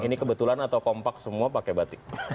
ini kebetulan atau kompak semua pakai batik